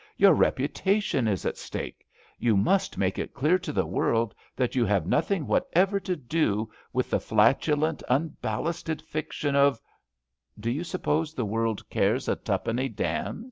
Your reputation is at stake. You must make it clear to the world that you have nothing whatever to do with the flatulent, un A REALLY GOOD TIME 243 ballasted fiction of ../''* Do you suppose the world cares a tuppeny dam?